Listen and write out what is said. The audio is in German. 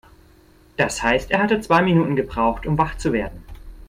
Das heißt, er hatte zwei Minuten gebraucht, um wach zu werden.